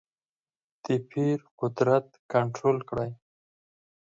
د پیر قدرت کنټرول کړې.